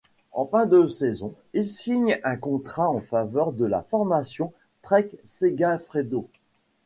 En fin de saison il signe un contrat en faveur de la formation Trek-Segafredo.